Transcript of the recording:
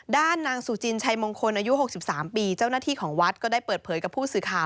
ด้านนางสู้จิญชายงงคลอายุ๖๓ปีเจ้าหน้าที่ของวัดก็ได้เปิดเพย์กับผู้ศึกา